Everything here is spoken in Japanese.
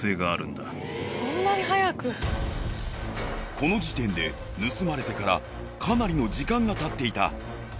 この時点で盗まれてからかなりの時間がたっていた。